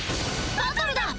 バトルだ！